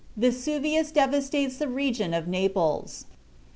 Vesuvius Devastates the Region of Naples.